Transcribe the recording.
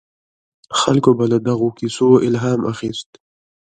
خلکو به له دغو کیسو الهام اخیست.